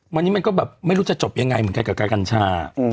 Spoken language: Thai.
วันนี้ก็ไม่รู้จะจบยังไงกับการช่า